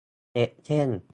เด็กเส้น